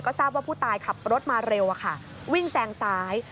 ทราบว่าผู้ตายขับรถมาเร็ววิ่งแซงซ้าย